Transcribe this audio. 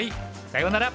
さようなら。